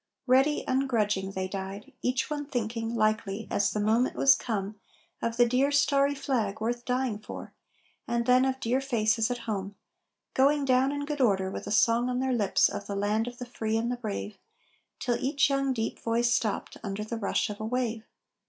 Ready, ungrudging, they died, each one thinking, likely, as the moment was come Of the dear, starry flag, worth dying for, and then of dear faces at home; Going down in good order, with a song on their lips of the land of the free and the brave Till each young, deep voice stopped under the rush of a wave.